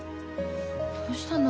どうしたの？